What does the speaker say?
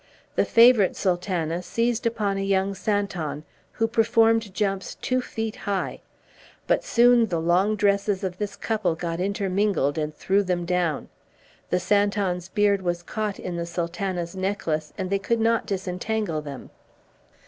The favorite Sultana seized upon a young Santon, who performed jumps two feet high; but soon the long dresses of this couple got intermingled and threw them down. The Santon's beard was caught in the Sultana's necklace, and they could not disentangle them.